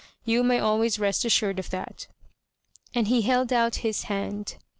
You may always rest assured of that," and he held out his hand.